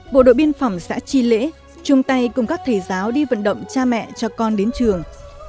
bộ đội biên phòng xã chi lễ chung tay cùng các thầy giáo đi vận động cha mẹ cho con đến trường